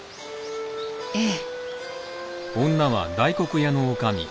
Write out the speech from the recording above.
ええ。